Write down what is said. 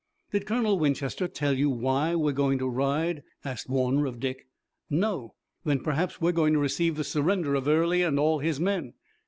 "Did Colonel Winchester tell you why we were going to ride?" asked Warner of Dick. "No." "Then perhaps we're going to receive the surrender of Early and all his men."